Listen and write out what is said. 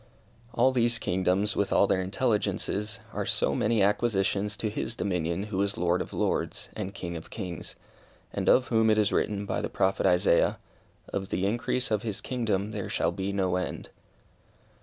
All these kingdoms, with all their intelligences, are so many acquisitions to His dominion who is Lord of lords, and King of kings, and of whom it is written, by the Prophet Isaiah, "Of the increase of his kingdom there shall be no end."